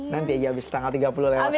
nanti aja abis tanggal tiga puluh lewat